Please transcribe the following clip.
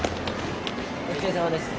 お疲れさまです。